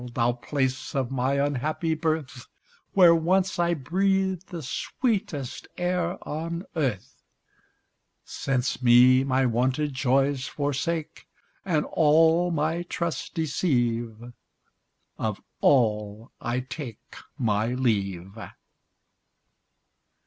thou place of my unhappy birth, Where once I breathed the sweetest air on earth; Since me my wonted joys forsake, And all my trust deceive; Of all I take My leave.